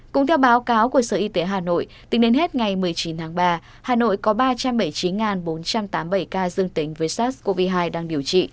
cũng theo báo cáo của sở y tế hà nội tính đến hết ngày một mươi chín tháng ba hà nội có ba trăm bảy mươi chín bốn trăm tám mươi bảy ca dương tính với sars cov hai đang điều trị